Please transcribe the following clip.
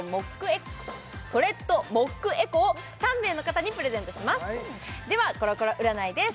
トレッドモックＥＣＯを３名の方にプレゼントしますではコロコロ占いです